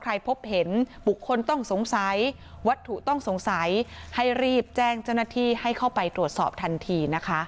พบเห็นบุคคลต้องสงสัยวัตถุต้องสงสัยให้รีบแจ้งเจ้าหน้าที่ให้เข้าไปตรวจสอบทันทีนะคะ